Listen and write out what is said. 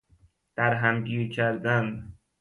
در هم گیر کردن